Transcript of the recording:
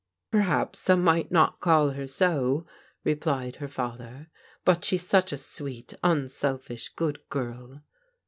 "Perhaps some might not call her so," replied her father, " but she's such a sweet, tmselfish, good girl